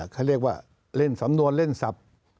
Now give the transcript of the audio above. เขาเรียกว่าเล่นสำนวนเล่นศัพท์